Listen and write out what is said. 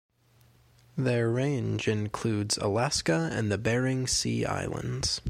Their range includes Alaska and the Bering Sea islands.